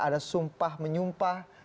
ada sumpah menyumpah